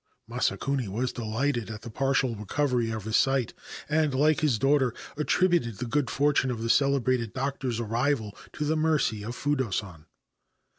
Masakuni was delighted at the partial recovery of his sight, and, like his daughter, attributed the good fortune of the celebrated doctor's arrival to the mercy of Fudo San.